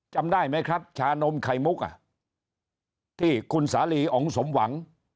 จำได้ไหมครับชานมไข่มุกที่คุณสาลีอ๋องสมหวัง